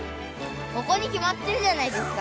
ここにきまってるじゃないですか。